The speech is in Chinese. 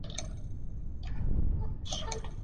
车体中部是设有各种机械及电气装置的机械室。